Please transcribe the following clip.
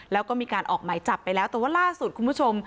แล้วก็มีการออกหมายจับไปแล้วแต่ว่าล่าสุดคุณผู้ชม